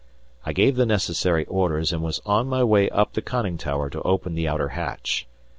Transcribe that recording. I gave the necessary orders, and was on my way up the conning tower to open the outer hatch.